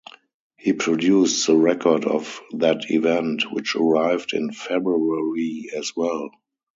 He produced the record of that event, which arrived in February as well.